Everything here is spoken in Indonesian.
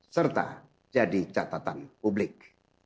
serta jadi catatan publik